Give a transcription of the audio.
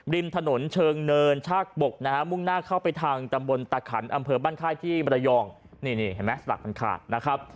ริมถนนเชิงเนินชากบกนะฮะมุ่งหน้าเข้าไปทางตำบลตะขันอำเภอบ้านค่ายที่มรยองนี่นี่เห็นไหมสลักมันขาดนะครับ